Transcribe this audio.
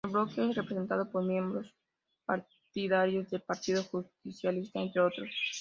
El bloque es representado por miembros partidarios de Partido Justicialista, entre otros.